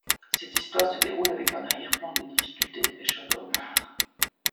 Cette histoire se déroule avec en arrière-plan les difficultés des pêcheurs de homard.